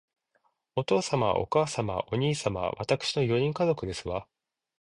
お父様、お母様、お兄様、わたくしの四人家族ですわ